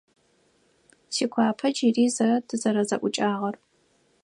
Сигуапэ джыри зэ тызэрэзэӏукӏагъэр?